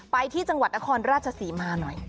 ไปที่จังหวัดนครราชศรีมาหน่อย